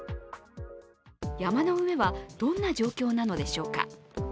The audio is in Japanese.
山の上は、どんな状況なのでしょうか。